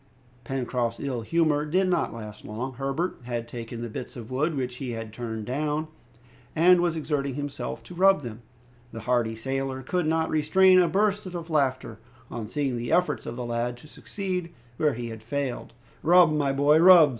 Pencroft's ill humor did not last long. Herbert had taken the bits of wood which he had turned down, and was exerting himself to rub them. The hardy sailor could not restrain a burst of laughter on seeing the efforts of the lad to succeed where he had failed. "Rub, my boy, rub!"